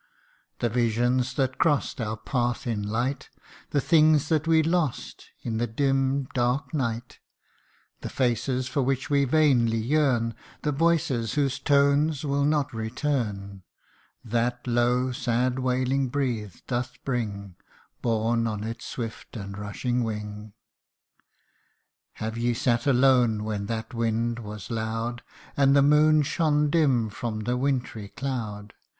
The visions that crost Our path in light The things that we lost In the dim dark night The faces for which we vainly yearn The voices whose tones will not return That low sad wailing breeze doth bring Borne on its swift and rushing wing. Have ye sat alone when that wind was loud, And the moon shone dim from the wintry cloud